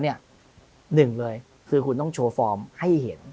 หนึ่งเลยคือคุณต้องโชว์ฟอร์มให้เห็น